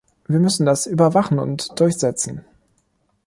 Wir müssen das überwachen und durchsetzen.